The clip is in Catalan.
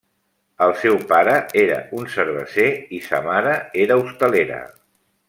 El seu pare era un cerveser i sa mare era hostalera.